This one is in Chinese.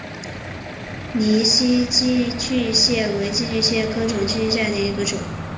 泥栖寄居蟹为寄居蟹科寄居蟹属下的一个种。